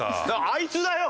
あいつだよ！